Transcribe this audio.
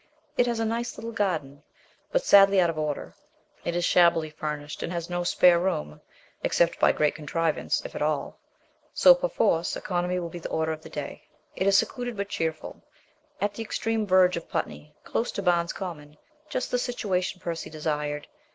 It has a nice little garden, but sadly out of order. It is shabbily furnished, and has no spare room, except by great contrivance, if at all; so, perforce, economy will be the order of the 234 MBS. SHELLEY. day. It is secluded but cheerful, at the extreme verge of Putney, close to Barnes Common; just the situation Percy desired.